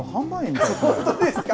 本当ですか？